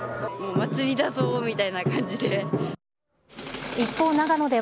祭りだぞーみたいな感じで。